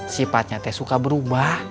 sifatnya teh suka berubah